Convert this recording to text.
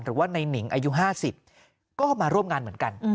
หรือว่าในหนิงอายุ๕๐ก็มาร่วมงานเหมือนกัน